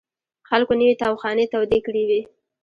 خلکو نوې تاوخانې تودې کړې وې.